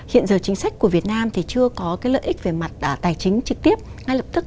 hiện giờ chính sách của việt nam thì chưa có cái lợi ích về mặt tài chính trực tiếp ngay lập tức